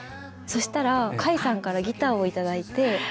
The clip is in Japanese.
そしたら甲斐さんからギターを頂いて。